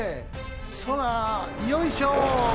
そらよいしょ！